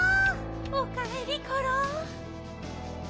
おかえりコロ！